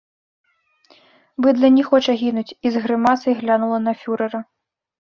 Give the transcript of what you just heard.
Быдла не хоча гінуць і з грымасай глянула на фюрэра.